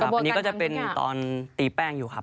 อันนี้ก็จะเป็นตอนตีแป้งอยู่ครับ